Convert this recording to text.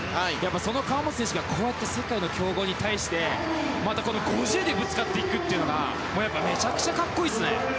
その川本選手がこの世界の強豪に対してまたこの５０でぶつかっていくというのがめちゃくちゃかっこいいですね。